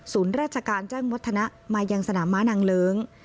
ศูนย์เรือราชการเจ้งวัฒนามายังสนามม้านังเลิ้ง